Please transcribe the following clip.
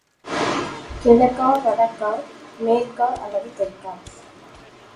கிழக்கா, வடக்கா, மேற்கா அல்லது தெற்கா?